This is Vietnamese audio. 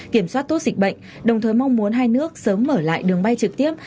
kiểm soát tốt dịch bệnh đồng thời mong muốn hai nước sớm mở lại đường bay trực tiếp